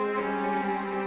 mau beli rotan